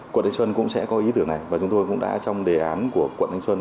quận thanh xuân cũng sẽ có ý tưởng này và chúng tôi cũng đã trong đề án của quận thanh xuân